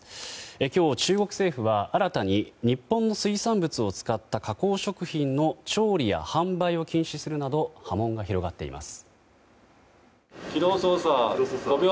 今日、中国政府は新たに日本の水産物を使った加工食品の調理や販売を禁止するなど波紋が広がっています。